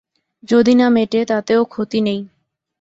যদি না-মেটে তাতেও ক্ষতি নেই।